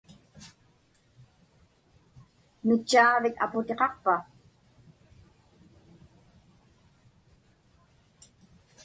Mitchaaġvik aputiqaqpa?